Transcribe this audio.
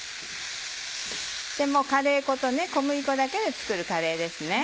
カレー粉と小麦粉だけで作るカレーですね。